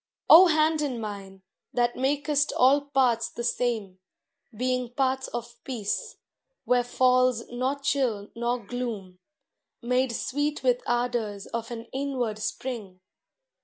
O hand in mine, that mak'st all paths the same, Being paths of peace, where falls nor chill nor gloom, Made sweet with ardors of an inward spring!